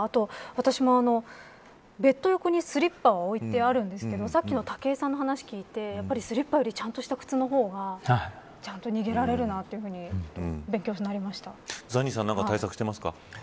私はベッド横にスリッパ置いてあるんですがさっきの武井さんの話を聞いてスリッパよりちゃんとした靴の方がちゃんと逃げられるなとザニーさん